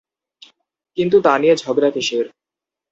কিন্তু তা নিয়ে ঝগড়া কিসের?